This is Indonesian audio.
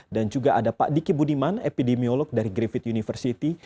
dan juga ada pak diki budiman epidemiolog dari griffith university